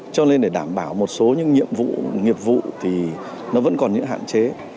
cho nên để đảm bảo một số những nhiệm vụ nghiệp vụ thì nó vẫn còn những hạn chế